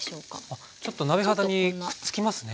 あちょっと鍋肌にくっつきますね。